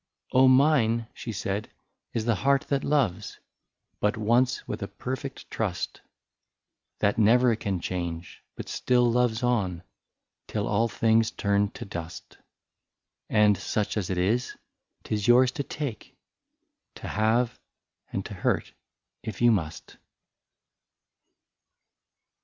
^' Oh mine," she said, " is the heart that loves, But once with a perfect trust ; That never can change, but still loves on. Till all things turn to dust ; And such as it is, 't is yours to take, To have and to hurt, if you must."